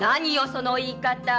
その言い方。